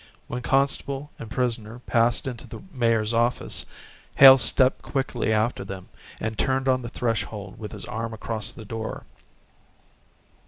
When constable and prisoner passed into the mayor's office, Hale stepped quickly after them and turned on the threshold with his arm across the door.